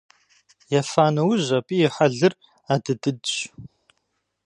Ефа нэужь абы и хьэлыр адыдыдщ.